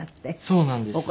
そうなんです。